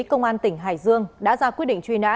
công an tỉnh hải dương đã ra quyết định truy nã